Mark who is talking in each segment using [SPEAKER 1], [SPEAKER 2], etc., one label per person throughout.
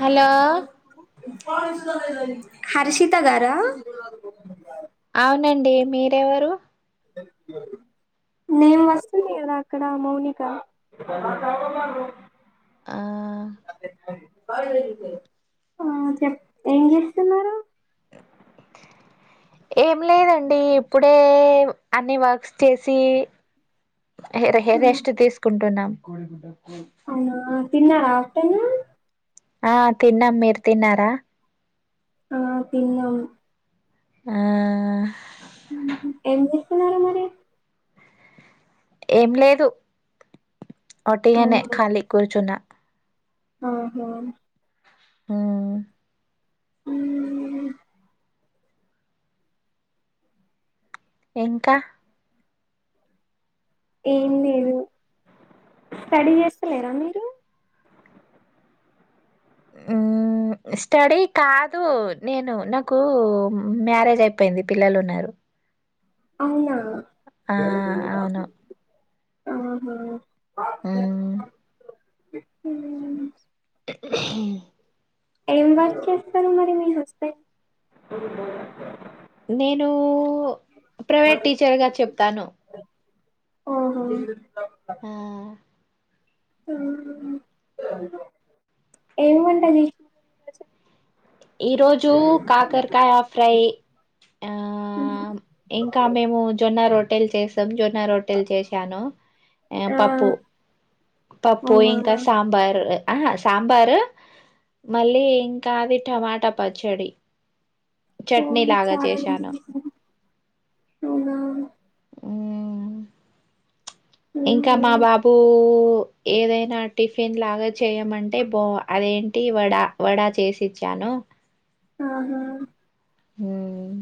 [SPEAKER 1] Hello.
[SPEAKER 2] Harshita గారా.
[SPEAKER 1] అవునండి మీరెవరు.
[SPEAKER 2] నేను వస్తుంది కదా అక్కడ మౌనిక.
[SPEAKER 1] ఆ
[SPEAKER 2] ఆ చెప్ ఏం చేస్తున్నారు.
[SPEAKER 1] ఏం లేదండి ఇప్పుడే అన్ని వర్క్స్ చేసి. హె రెస్ట్
[SPEAKER 2] ఆ,
[SPEAKER 1] హెరెస్ట్ తీసుకుంటున్నాం. కోడి గుడ్డ.
[SPEAKER 2] అవునా తిన్నారా ఆఫ్టర్ నూన్.
[SPEAKER 1] ఆ తిన్నాం మీరు తిన్నారా.
[SPEAKER 2] ఆ తిన్నం.
[SPEAKER 1] ఆహ్
[SPEAKER 2] ఊహూ ఏం చేస్తున్నారు మరి.
[SPEAKER 1] ఏం లేదు ఒట్టిగనే
[SPEAKER 2] అవునా
[SPEAKER 1] ఖాళీ కుర్చున్నా.
[SPEAKER 2] ఆహా
[SPEAKER 1] ఊ
[SPEAKER 2] హ [inaudible]
[SPEAKER 1] ఇంకా.
[SPEAKER 2] ఏం లేదు స్టడీ చేస్తలేరా మీరు.
[SPEAKER 1] ఊ.. స్టడీ కాదు నేను నాకు మ్యారేజ్ అయిపోయింది పిల్లలు ఉన్నారు.
[SPEAKER 2] అవునా.
[SPEAKER 1] ఆ అవును.
[SPEAKER 2] ఆహా..
[SPEAKER 1] ఆ
[SPEAKER 2] [inaudible]
[SPEAKER 1] [unintelligible]
[SPEAKER 2] ఏం వర్క్ చేస్తారు మరి మీ హస్బెండ్
[SPEAKER 1] నేను ప్రైవేట్ టీచర్గా చెప్తాను
[SPEAKER 2] ఓహో
[SPEAKER 1] ఆ
[SPEAKER 2] ఏమి వంట చేసినారు ఈ రోజు
[SPEAKER 1] ఈ రోజు కాకరకాయ ఫ్రై ఆ ఇంకా మేము జొన్న రొట్ ట్టెలు చేసం రొట్టెలు చేశాను
[SPEAKER 2] ఆ
[SPEAKER 1] పప్పు పప్పు ఇంకా
[SPEAKER 2] అవునా
[SPEAKER 1] సాంబార్ ఆహ సాంబారు మళ్ళీ ఇంకా అది టమాటా పచ్చడి
[SPEAKER 2] పో
[SPEAKER 1] చట్నీ లాగా
[SPEAKER 2] చాలానే
[SPEAKER 1] చేశాను
[SPEAKER 2] చేశారు అవునా
[SPEAKER 1] అ ఇంకా మా
[SPEAKER 2] ఉమ్
[SPEAKER 1] బాబు ఏదైనా టిఫిన్ లాగా చేయమంటే బా అదేంటి వడా వడా చేసిచ్చాను
[SPEAKER 2] ఆహా
[SPEAKER 1] హుమ్మ్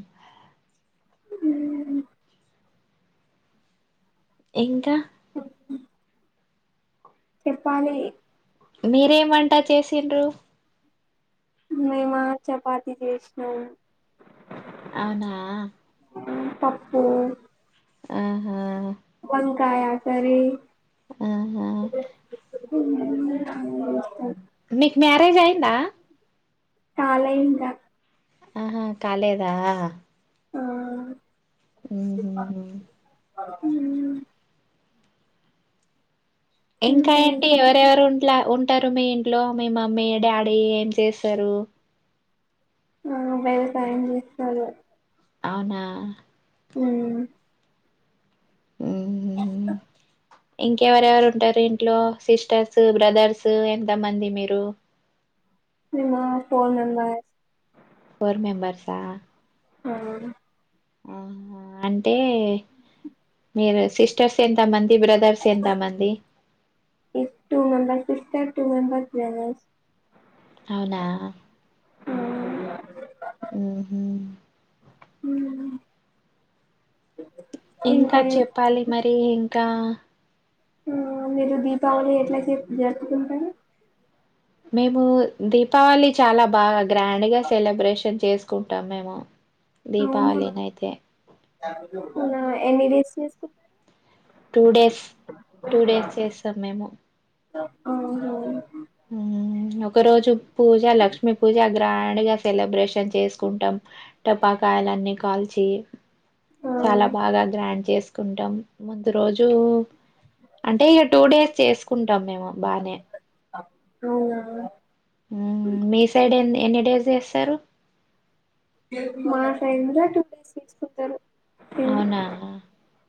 [SPEAKER 2] హ
[SPEAKER 1] ఇంకా
[SPEAKER 2] చెప్పాలి
[SPEAKER 1] మీరేం వంట చేసిండ్రు
[SPEAKER 2] మేమ చపాతి చేసినాము
[SPEAKER 1] అవునా
[SPEAKER 2] పప్పు
[SPEAKER 1] ఆహా
[SPEAKER 2] వంకాయ కర్రీ
[SPEAKER 1] ఆహా
[SPEAKER 2] [unintelligible] [unintelligible]
[SPEAKER 1] మీకు మ్యారేజ్ అయిందా
[SPEAKER 2] కాలే ఇంకా
[SPEAKER 1] ఆహా కాలేదా
[SPEAKER 2] ఆ
[SPEAKER 1] [inaudible]
[SPEAKER 2] ఊ ఊ
[SPEAKER 1] ఇంకా ఏంటి ఎవరెవరున్ ట్లా ఉంటారు మీ ఇంట్లో మీ మమ్మీ డాడీ ఏం చేస్తరు
[SPEAKER 2] ఆ వ్యవసాయం చేస్తారు
[SPEAKER 1] అవునా
[SPEAKER 2] ఊ
[SPEAKER 1] ఉహు ఇంకెవరెవరు ఉంటారు ఇంట్లో సిస్టర్స్ బ్రదర్స్ ఎంత మంది మీరు
[SPEAKER 2] మేమా ఫోర్ మెంబర్స్
[SPEAKER 1] ఫోర్ మెంబర్సా
[SPEAKER 2] అహ
[SPEAKER 1] ఆ అంటే మీరు సిస్టర్స్ ఎంతమంది బ్రదర్స్ ఎంత మంది
[SPEAKER 2] టు మెంబర్స్ వేలేస్
[SPEAKER 1] అవునా
[SPEAKER 2] ఆ
[SPEAKER 1] ఉహు
[SPEAKER 2] హు
[SPEAKER 1] ఇంకా చెప్పాలి మరి ఇంకా
[SPEAKER 2] మీరు దీపావళి ఎట్లా జరుపుకుంటారు
[SPEAKER 1] మేము దీపావళి చాలా బాగా గ్రాండ్గాసేలబ్రేషన్ చేసు కుంటాం మేము
[SPEAKER 2] అవునా
[SPEAKER 1] దీపావళి న అయితే
[SPEAKER 2] ఎన్ని డేస్ చేసుకుంటారు
[SPEAKER 1] టూ డేస్ టూ డేస్ చేస్తాం మేము
[SPEAKER 2] అ
[SPEAKER 1] ఉ ఒక రోజు పూజ లక్ష్మీ పూజ గ్రాండ్గా సెలబ్రేషన్ చేసుకుంటాం టపాకాయలన్నీ కాల్చి
[SPEAKER 2] ఆ
[SPEAKER 1] చాలా బాగా గ్రాండ్ చేస్ కుంటాం ముందు రోజు అంటే ఇక టూ డేస్ చేసుకుంటాం మేము బానే
[SPEAKER 2] అవున
[SPEAKER 1] ఉమ్ మీసైడ్ ఏంది ఎన్ని డేస్ చేస్తారు
[SPEAKER 2] మా ఫ్రెండు టూ డేస్ చేసుకుంటారు
[SPEAKER 1] అవునా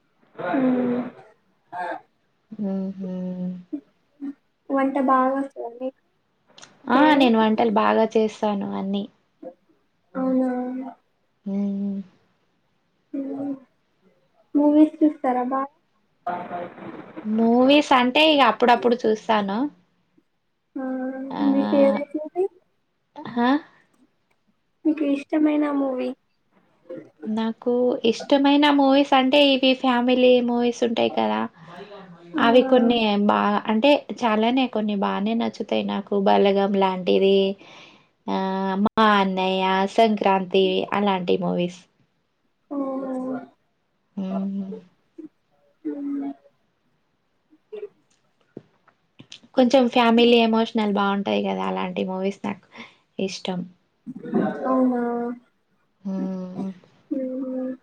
[SPEAKER 2] ఊ
[SPEAKER 1] ఊహూ
[SPEAKER 2] వంట బాగా వస్తుంది
[SPEAKER 1] తను అన్నీ
[SPEAKER 2] అవునా
[SPEAKER 1] హ్మ్.
[SPEAKER 2] మూవీస్ చూస్తారా బా
[SPEAKER 1] మూవీస్ అంటే ఇక అప్పుడప్పుడు చూస్తాను
[SPEAKER 2] ఆ
[SPEAKER 1] ఆ
[SPEAKER 2] మీకు ఏవతుంది
[SPEAKER 1] హా
[SPEAKER 2] మీకు ఇష్టమైన మూవీ
[SPEAKER 1] సండే ఇవి ఫ్యామిలీ ఏమో ంటాయి కదా
[SPEAKER 2] ఆ
[SPEAKER 1] అవి కొన్ని బాగా అంటే చాలానే కొన్ని బాగానే నచ్చుతాయి నాకు బలగం లాంటిది ఆ మా అన్నయ్య సంక్రాంతి అలాంటి మూవీస్
[SPEAKER 2] ఓఓ
[SPEAKER 1] హ
[SPEAKER 2] అ
[SPEAKER 1] కొంచెం ఫ్యామిలీ ఎమోషనల్ బాగుంటుంది ఉంటాయి కదా అలాంటి మూవీస్ నాకు ఇష్టం
[SPEAKER 2] అవునా
[SPEAKER 1] ఆ
[SPEAKER 2] ఉమ్,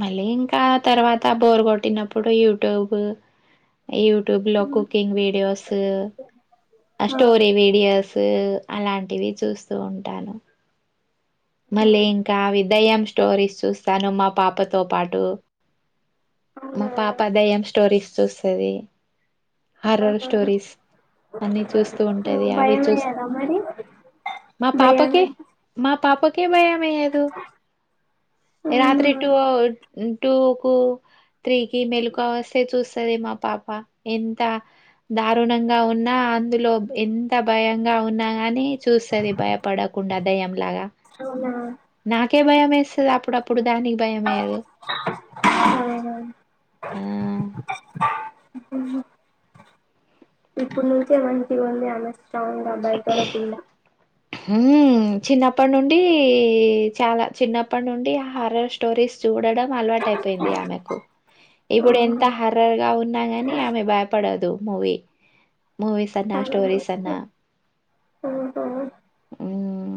[SPEAKER 1] మళ్ళీ ఇంకా తర్వాత బోర్ కొట్టినప్పుడు యూట్యూబ్ యూట్యూబ్ లో కుకింగ్ వీడియోస్
[SPEAKER 2] ఆ,
[SPEAKER 1] స్టోర వీడియోస్ అలాంటివి చూస్తూ ఉంటాను మళ్ళీ ఇంకా విదయం స్టోరీస్ చూస్తాను మా పాపతో పాటు మా
[SPEAKER 2] అవునా
[SPEAKER 1] పాప దయ్యం స్టోరీస్ చూస్తుది హర్రర్ స్టోరీస్ అన్ని చూస్తూ ఉంటాది అవి
[SPEAKER 2] భయమే
[SPEAKER 1] చూస్త
[SPEAKER 2] కదా మరి
[SPEAKER 1] మా పాపకే
[SPEAKER 2] భయాన్ని
[SPEAKER 1] మా తాప తమయా రాత్రి టటు టూకు త్రీకి మెలుక వస్తే చూస్తుంది మా పాప ఎంత దారుణంగా ఉన్నా అందులో ఎంత భయంగా ఉన్నా కాని చూస్తుది భయపడకుండా దయంలాగా
[SPEAKER 2] అనా
[SPEAKER 1] ఒకే భయం వేస్తే అప్పుడుప్పుడు దానికి భయమేయదు
[SPEAKER 2] అవునా
[SPEAKER 1] ఆ
[SPEAKER 2] ఇప్పుడు నుంచి ఏ మనకి ఉంది అమె స్ట్రాంగ్గా భయపడకుండా
[SPEAKER 1] ఊమ్ చిన్నప్పటి నుండి చాలా చిన్నప్పటి నుండి ఆ హారర్ స్టోరీస్ చూడడం అలవాటు అయిపోయింది ఆమెకు ఇప్పుడు ఎంత
[SPEAKER 2] ఆహా
[SPEAKER 1] హార్రర్ గా ఉన్నాగాని ఆమె భయపడదు మూవీ మూవీస్ అన్నా స్టోరీస్ అన్నా
[SPEAKER 2] అహా
[SPEAKER 1] ఊమ్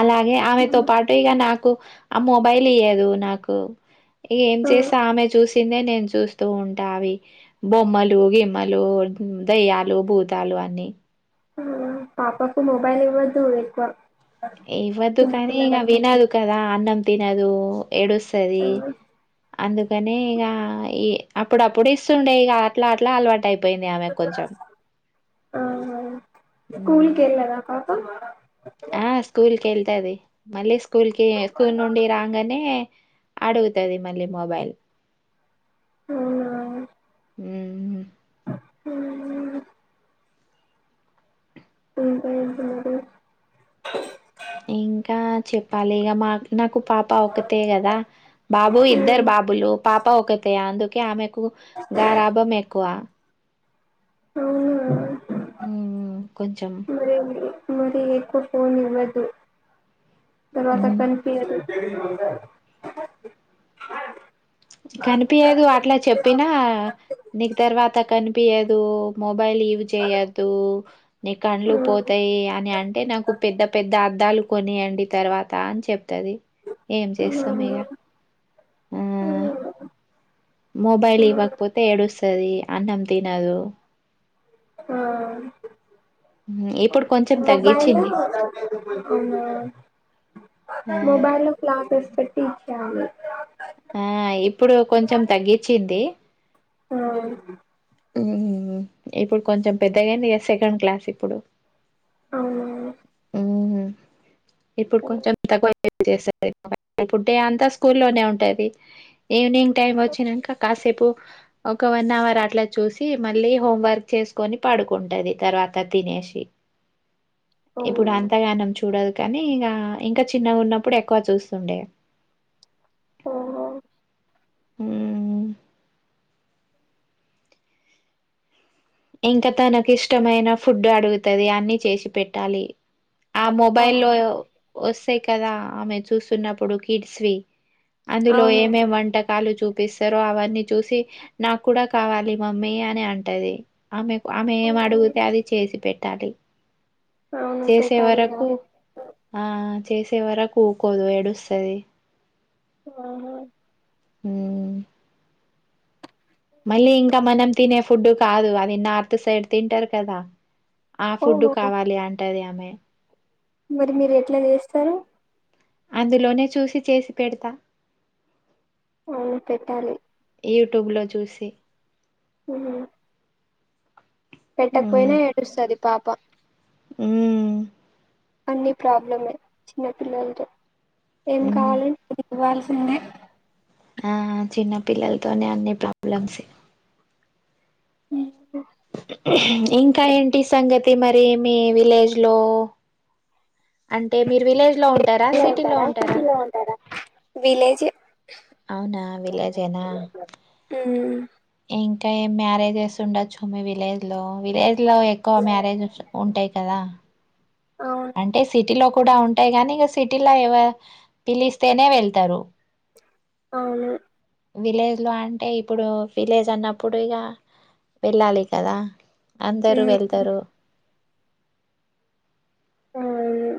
[SPEAKER 1] అలాగే ఆమెతో పాటు ఇగ నా కు ఆ మొబైల్ ఇయ్యదు నాకు ఏం
[SPEAKER 2] ఆ
[SPEAKER 1] చేస్త ఆమె చూస్ సిందే నేను చూస్తూ ఉంటా అవి బొమ్మలు గిమ్మలు దయ్యాలు భూతాలు అన్నీ
[SPEAKER 2] మ్ పాపకు మొబైల్ ఇవ్వొద్దు ఎక్కువ
[SPEAKER 1] ఇవ్వొద్దు కానీ ఇగ
[SPEAKER 2] చిన్నపిల్లలకు
[SPEAKER 1] వినదు కదా అన్నం తినదు ఏడుస్తది
[SPEAKER 2] ఆ
[SPEAKER 1] అందుకని ఇక ఈ అప్పుడప్పుడు ఇస్తుంట ఇక అట్లా అట్లా అలవాటై పోయింది ఆమె కొంచెం
[SPEAKER 2] అహా స్కూల్
[SPEAKER 1] మ్మ్
[SPEAKER 2] కి వెళ్ళదా పా ప
[SPEAKER 1] ఆ స్కూల్ కి వెళ్తది మళ్ళీ స్కూల్ కి స్కూల్ నుండి రాంగానే అడుగుతది మళ్ళీ మొబైల్
[SPEAKER 2] అవునా
[SPEAKER 1] ఉమ్
[SPEAKER 2] మ్ ఉహు హుహు
[SPEAKER 1] ఇంకా చెప్పాలి ఇగ మా నాకు పాప ఒకతే కదా బాబు ఇద్దరు
[SPEAKER 2] ఉమ్,
[SPEAKER 1] బాబులు పాప ఒకతే అందుకే ఆమె కు గారాభం ఎక్కువ
[SPEAKER 2] అవునా
[SPEAKER 1] ఊ కొంచం
[SPEAKER 2] మరి మరి ఎక్కువ ఫోన్ ఇవ్వొద్దు తర్వాత
[SPEAKER 1] మ్మ్
[SPEAKER 2] కనిపియదు
[SPEAKER 1] కనిపియ్యదు అట్లా చెప్పినా నీకు తర్వాత కని పియ్యదు మొ బైల్ ఇవి చెయ్యద్దు నీ కండ్లు పోతాయి అని అంటే నాకు పెద్ద పెద్ద అద్ ద్దాలు కొనియ్యండి తర్వాత అని చెప్ తది ఏం చేస్తాం ఇగ
[SPEAKER 2] ఆ
[SPEAKER 1] మొబైల్ ఇవపోతే ఎడుస్ తది అన్నం తినదు
[SPEAKER 2] ఆ
[SPEAKER 1] ఉమ్, ఇప్పుడు కొంచెం
[SPEAKER 2] మబల్
[SPEAKER 1] తగ్గించింది
[SPEAKER 2] అవునా
[SPEAKER 1] ఆ
[SPEAKER 2] మొబైల్ లో క్లాసెస్ పె ఫ్యామిలీ
[SPEAKER 1] ఆ ఇప్పుడు కొంచెం తగ్గించింది
[SPEAKER 2] ఆ
[SPEAKER 1] ఉమ్ ఇప్పుడు కొంచెం పెద్దగాడి ఇ సెకండ్ క్లాస్ ఇప్పుడు
[SPEAKER 2] అవునా
[SPEAKER 1] ఉహుం ఇప్పుడు కొంచెం [unintelligible] ప్పు డే అంతా స్కూల్లోనే ఉంటాది ఈవినింగ్ టైం వచ్చినాంక కాసేపు ఇప్పు ఒక వన్ అవర్ అట్లా చూసి మళ్ళీ హోం వర్క్ చేసుకొని పడుకుంటుది తర్వాత తినేసి ఇప్పుడు
[SPEAKER 2] అవును
[SPEAKER 1] అంతగనం చూడదు కానీ ఇం ఇంకా చిన్నగా ఉన్నప్పుడు ఎక్కువ చూస్తుండే
[SPEAKER 2] ఆ
[SPEAKER 1] హ్మ్ ఇంకా తనకు ఇష్టమైన ఫుడ్ అడుగుతుది అన్ని చేసి పెట్టాలి ఆ మొబైల్ లో వాస్ అంతే కదా ఆమె చూస్తున్నప్పుడు కిడ్స్వి అందులో
[SPEAKER 2] అవును
[SPEAKER 1] ఏమేం వంటకాలు చూ పిస్తార అవన్నీ చూసి నాకు కూడా కావాలి మమ్మీ అని అంటది ఆమె ఆమె ఏం అడిగితే అది చేసి పెట్ తాది
[SPEAKER 2] అవును
[SPEAKER 1] చేసే
[SPEAKER 2] పెట్టాలిగా
[SPEAKER 1] వరకు ఆ చేసే వరకు ఊకోదు ఏడుస్తది
[SPEAKER 2] ఆహా
[SPEAKER 1] హ్మ్ మళ్ళీ ఇంకా మనం తినే ఫుడ్డు కాదు అది నార్త్ సైడ్ తింటారు కదా ఆ ఫుడ్డు
[SPEAKER 2] ఓహో
[SPEAKER 1] కావాలి అంటది ఆమె
[SPEAKER 2] మరి మీరు ఎట్లా చేస్తరు
[SPEAKER 1] అందులోనే చూసి చేసి పెడతా
[SPEAKER 2] అవును పెట్టాలి
[SPEAKER 1] యూట్యూబ్లో చూసి
[SPEAKER 2] హ్మ్ పెట్టకపోయినా ఏడుస్తుంది పాప
[SPEAKER 1] హ్మ్
[SPEAKER 2] అన్ని ప్రాబ్లమే చిన్న పిల్లలతో ఏం
[SPEAKER 1] మ్మ్
[SPEAKER 2] కావాలి ఇవ్వాల్సిందే
[SPEAKER 1] ఆహా చిన్న పిల్లలతోనే అన్ని ప్రాబ్లమ్స్
[SPEAKER 2] హ్మ్
[SPEAKER 1] ఇంకా ఏంటి సంగతి మరి మీ విలేజ్ లో అంటే మీరు విలేజ్ లో ఉంటారా సిటీ లో ఉంటారా
[SPEAKER 2] విలేజ్ యే
[SPEAKER 1] అవునా విలేజేనా ఇంకా మ్యారేజెస్ ఉండొచ్చు మీ విలేజ్ లో విలేజ్ లో ఎక్కువ మ్యారేజెస్ ఉంటాయి కదా
[SPEAKER 2] అవును
[SPEAKER 1] అంటే సిటీ లో కూడా ఉంటాయి కానీ, ఇక సిటీలో ఎవ పిలిస్తేనే వెళ్తారు.
[SPEAKER 2] అవును
[SPEAKER 1] విలేజ్ లో అంటే ఇప్పుడు విలేజ్ అన్నప్పుడిగా వెళ్ళాలి కదా అందరూ వెళ్తరు
[SPEAKER 2] అవును